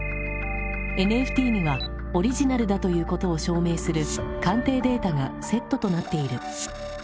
ＮＦＴにはオリジナルだということを証明する鑑定データがセットとなっている。